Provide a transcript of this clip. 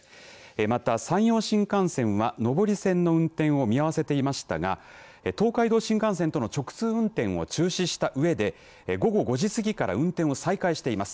また、山陽新幹線は上り線の運転を見合わせていましたが東海道新幹線との直通運転を中止したうえで午後５時過ぎから運転を再開しています。